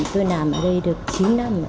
tôi làm ở đây được chín năm